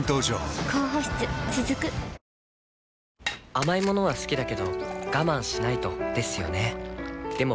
甘い物は好きだけど我慢しないとですよね